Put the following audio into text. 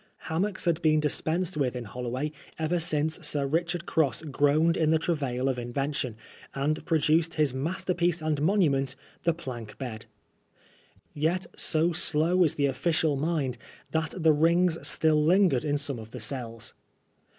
Ham mocks had been dispensed with in HoUoway ever since Sir Richard Gross groaned in the travail of invention, and produced his masterpiece and monument — the plank bed. Yet so slow is the ofKcial mind, that the rings still lingered in some of the cells.